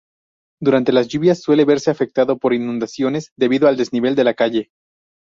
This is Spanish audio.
Durante las lluvias suele verse afectado por inundaciones debido al desnivel de la calle.